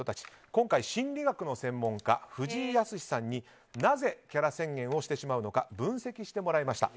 今回、心理学の専門家藤井靖さんになぜキャラ宣言をしてしまうのか分析してもらいました。